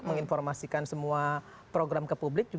menginformasikan semua program ke publik